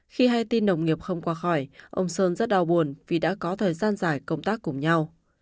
khi hai tin đồng nghiệp không qua khỏi ông sơn rất đau buồn vì đã có thời gian dài công tác cùng nhau